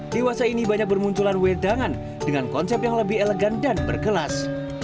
dewasa ini banyak bermunculan wedangan dengan konsep yang lebih elegan dan berkelas